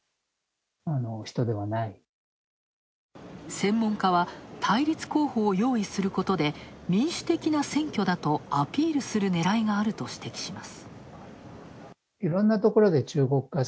専門家は対立候補を用意することで民主的な選挙だとアピールするねらいがあると指摘します。